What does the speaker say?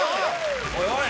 おいおい